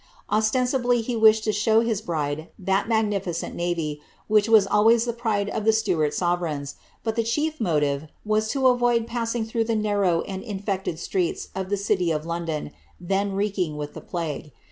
Ostensibly he wished to show his bride that magnificent navy, which was always the pride of the Stuart sovereigns, but the chief motive was to avoid passing through the narrow and in fected streets of the city of London, then reeking with the plague.